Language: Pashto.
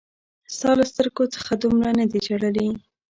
ستا له سترګو څخه دومره نه دي ژړلي